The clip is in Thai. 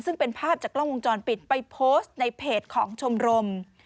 ซึ่งเป็นภาพจากกล้องวงจรปิดไปโพสต์ในเพจของชมรม